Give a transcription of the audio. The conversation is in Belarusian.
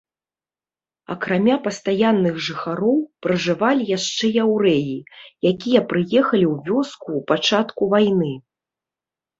Акрамя пастаянных жыхароў, пражывалі яшчэ яўрэі, якія прыехалі ў вёску ў пачатку вайны.